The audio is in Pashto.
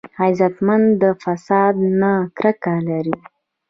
غیرتمند د فساد نه کرکه لري